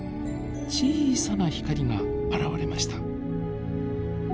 小さな光が現れました。